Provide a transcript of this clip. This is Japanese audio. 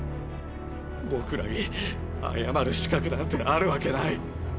僕らに謝る資格なんてあるわけない。